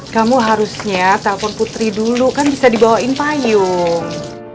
kamu harusnya telpon putri dulu kan bisa dibawain payung